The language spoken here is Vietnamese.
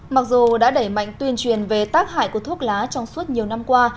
mặc dù đã đẩy mạnh tuyên truyền về tác hại của thuốc lá trong suốt nhiều năm qua